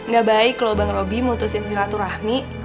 gak baik loh bang roby mutusin silaturahmi